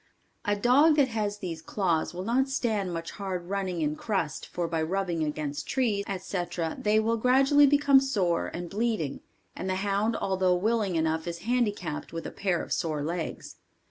A dog that has these claws will not stand much hard running in crust for by rubbing against trees, etc., they will gradually become sore and bleeding, and the hound although willing enough is handicapped with a pair of sore legs.